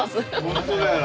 本当だよな。